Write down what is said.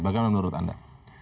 bagaimana menurut anda